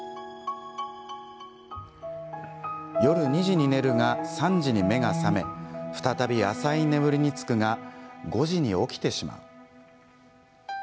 「夜２時に寝るが３時に目が覚め再び浅い眠りにつくが５時に起きてしまう」。